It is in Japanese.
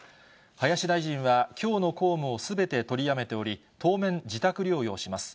林大臣は、きょうの公務をすべて取りやめており、当面、自宅療養します。